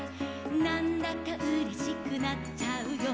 「なんだかうれしくなっちゃうよ」